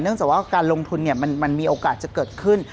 เนื่องจากว่าการลงทุนเนี่ยมันมีโอกาสจะเกิดขึ้น